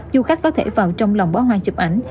du khách có thể vào trong lòng bó hoa chụp ảnh